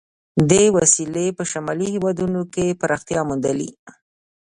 دې وسیلې په شمالي هېوادونو کې پراختیا موندلې.